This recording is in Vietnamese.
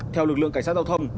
theo lực lượng cảnh sát giao thông